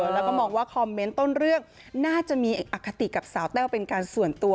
แล้วก็มองว่าคอมเมนต์ต้นเรื่องน่าจะมีเอกอคติกับสาวแต้วเป็นการส่วนตัว